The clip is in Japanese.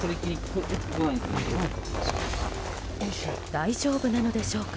大丈夫なのでしょうか。